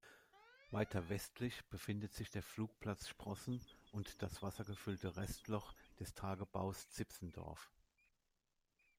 Weiter westlich befindet sich der "Flugplatz Sprossen" und das wassergefüllte Restloch des Tagebaus Zipsendorf.